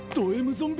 ゾンビ！